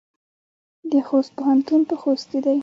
د خوست پوهنتون په خوست کې دی